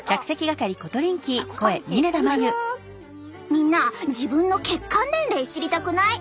みんな自分の血管年齢知りたくない？